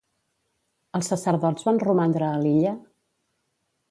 Els sacerdots van romandre a l'illa?